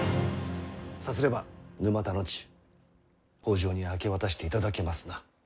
さすれば沼田の地北条に明け渡していただけますな？